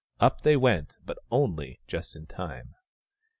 Up they went, but only just in time.